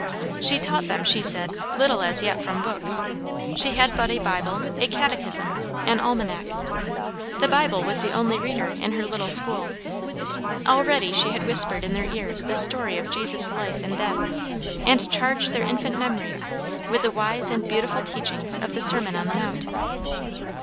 She taught them, she said, little as yet from books. She had but a Bible, a catechism, an almanac. The Bible was the only Reader in her little school. Already she had whispered in their ears the story of Jesus' life and death, and charged their infant memories with the wise and beautiful teachings of the Sermon on the Mount.